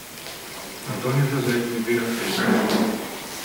Antônio José de Oliveira Freitas